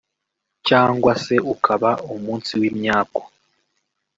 cyangwa se ukaba umunsi w’imyaku